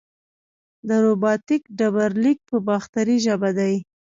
د رباتک ډبرلیک په باختري ژبه دی